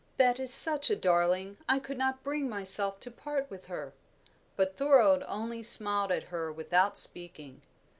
"Bet is such a darling, I could not bring myself to part with her." But Thorold only smiled at her without speaking.